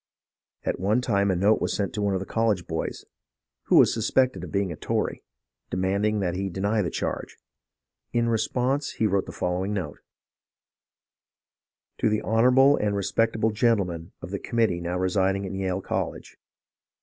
At one time a note was sent to one of the college boys, who was suspected of being a Tory, demanding that he deny the charge. In response he wrote the following note :— To THE Honourable and Respectable Gentlemen of the COiMMITfEE NOW RESIDING IN YaLE CoLLEGE.